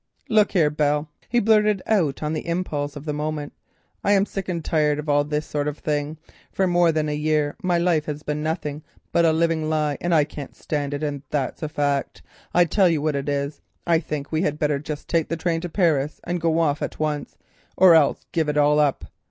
"Look here, Belle," he blurted out on the impulse of the moment, "I am sick and tired of all this sort of thing. For more than a year my life has been nothing but a living lie, and I can't stand it, and that's a fact. I tell you what it is: I think we had better just take the train to Paris and go off at once, or else give it all up.